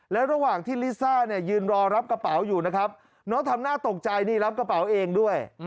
แล้วระหว่างที่ลิซ่าเนี่ยยืนรอรับกระเป๋าอยู่นะครับน้องทำหน้าตกใจนี่รับกระเป๋าเองด้วย